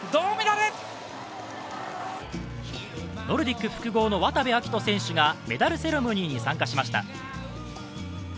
ノルディック複合の渡部暁斗選手がメダルセレモニーに参加しました。